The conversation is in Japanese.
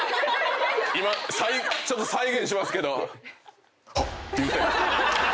ちょっと再現しますけど。